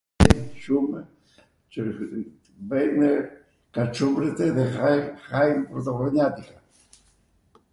shumw, qw bwjmw kaCuletw edhe hajm protohronjatika.